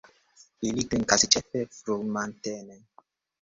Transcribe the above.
Ili trinkas ĉefe frumatene.